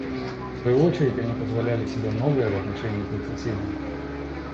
В свою очередь они позволяли себе многое в отношении к их соседям.